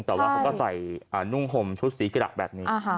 แต่ว่าเขาก็ใส่นุ่งห่มชุดสีกระแบบนี้